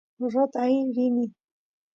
gorrot aay rini